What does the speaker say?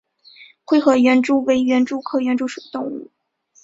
灰褐园蛛为园蛛科园蛛属的动物。